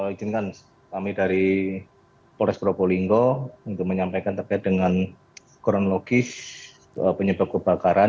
izinkan kami dari polres probolinggo untuk menyampaikan terkait dengan kronologis penyebab kebakaran